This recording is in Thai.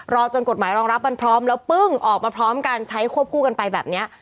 จนกฎหมายรองรับมันพร้อมแล้วปึ้งออกมาพร้อมกันใช้ควบคู่กันไปแบบนี้